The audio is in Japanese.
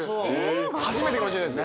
⁉初めてかもしれないです。